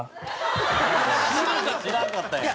知らんかったんや。